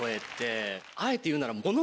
あえていうなら。